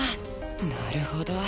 なるほど。